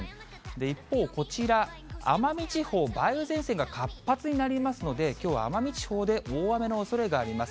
一方、こちら奄美地方、梅雨前線が活発になりますので、きょうは奄美地方で大雨のおそれがあります。